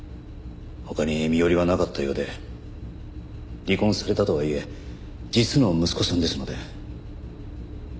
他に身寄りはなかったようで離婚されたとはいえ実の息子さんですので。